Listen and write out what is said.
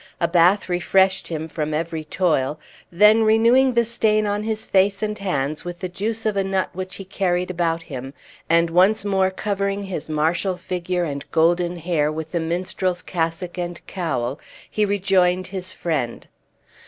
A bath refreshed him from every toil, then renewing the stain on his face and hands with the juice of a nut which he carried about him, and once more covering his martial figure and golden hair with the minstrel's cassock and cowl, he rejoined his friend.